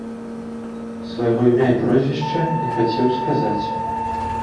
Свайго імя і прозвішча не хацеў сказаць.